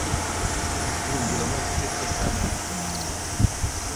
Bu uygulama üç kez tekrarlanır.